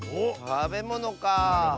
たべものか。